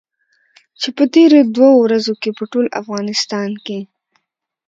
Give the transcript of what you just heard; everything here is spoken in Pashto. چې په تېرو دوو ورځو کې په ټول افغانستان کې.